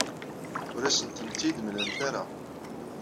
Ur asent-ten-id-temlamt ara.